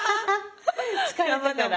疲れたから？